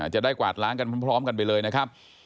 จะได้กวาดล้างกันพร้อมกันไปเลยนะครับ